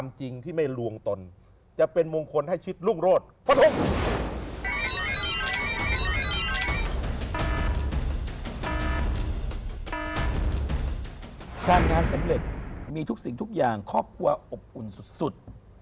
มีทุกสิ่งทุกอย่างครอบครัวอบอุ่นสุด